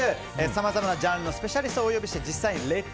さまざまなジャンルのスペシャリストをお呼びして実際にＬｅｔ’ｓｄｏｉｔ！